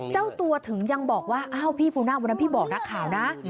เจ้าตัวถึงยังบอกว่าอ้าวพี่ปูนาวันนั้นพี่บอกนักข่าวนะ